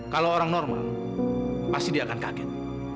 kalau orang normal pasti dia akan kaget